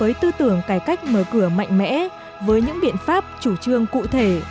với tư tưởng cải cách mở cửa mạnh mẽ với những biện pháp chủ trương cụ thể